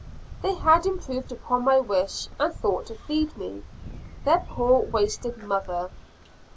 They had improved upon my wish, and thought to feed me, their poor wasted mother.